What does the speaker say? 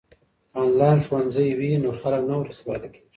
که انلاین ښوونځی وي نو خلګ نه وروسته پاته کیږي.